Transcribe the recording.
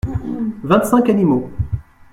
Vingt-cinq animaux.